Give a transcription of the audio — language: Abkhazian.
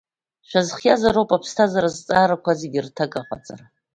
Шәазыхиазароуп аԥсҭазаара азҵаарақәа зегьы рҭак аҟаҵара.